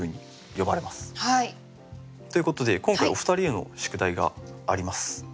ということで今回お二人への宿題があります。